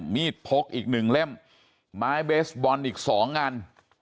มีดพกอีกหนึ่งเล่มไม้เบสบอนด์อีกสองอัน